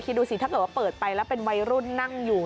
ดูสิถ้าเกิดว่าเปิดไปแล้วเป็นวัยรุ่นนั่งอยู่